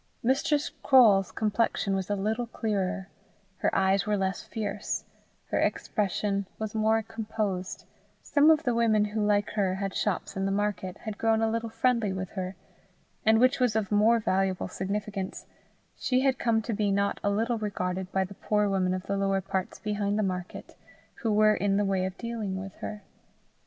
Mistress Croale's complexion was a little clearer; her eyes were less fierce; her expression was more composed; some of the women who, like her, had shops in the market, had grown a little friendly with her; and, which was of more valuable significance, she had come to be not a little regarded by the poor women of the lower parts behind the market, who were in the way of dealing with her.